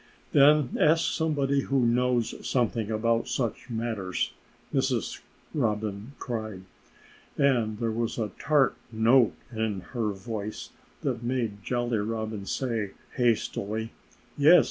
"Then ask somebody who knows something about such matters!" Mrs. Robin cried. And there was a tart note in her voice that made Jolly Robin say hastily, "Yes!